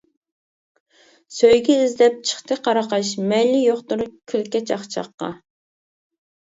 سۆيگۈ ئىزدەپ چىقتى قاراقاش، مەيلى يوقتۇر كۈلكە-چاقچاققا.